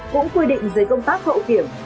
cũng quy định dây công tác hậu kiểm